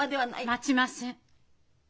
待ちません。